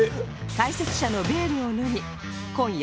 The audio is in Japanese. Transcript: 解説者のベールを脱ぎ今夜